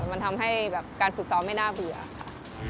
มันทำให้แบบการฝึกซ้อมไม่น่าเบื่อค่ะ